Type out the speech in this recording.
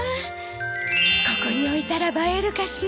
ここに置いたら映えるかしら？